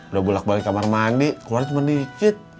udah bolak balik kamar mandi keluar cuman dikit